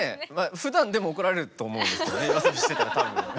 ふだんでも怒られると思うんですけど夜遊びしてたら多分。